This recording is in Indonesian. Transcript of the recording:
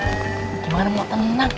gimana mau tenang